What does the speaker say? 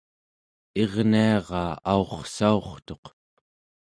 irniara aurrsaurtuq